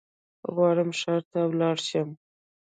غواړم ښار ته ولاړشم